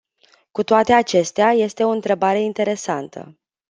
Cu toate acestea, este o întrebare interesantă.